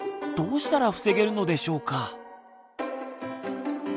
どうしたら防げるのでしょうか？